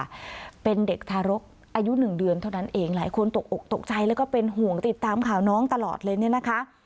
ว่าเป็นเด็กทารกอายุหนึ่งเดือนเท่านั้นเองหลายคนตกอกตกใจแล้วก็เป็นห่วงติดตามข่าวน้องตลอดเลยเนี่ยนะคะ